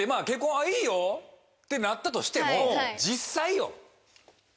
あっいいよってなったとしても実際よ。